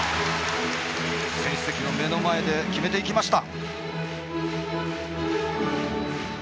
選手席の目の前で決めていきました！